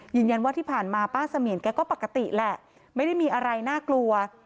ยืนยันว่าที่ผ่านมาป้าเสมียนแกก็ปกติแหละไม่ได้มีอะไรน่ากลัว